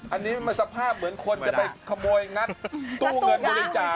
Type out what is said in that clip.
อันนี้มันสภาพเหมือนคนจะไปขโมยงัดตู้เงินบริจาค